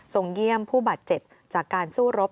เยี่ยมผู้บาดเจ็บจากการสู้รบ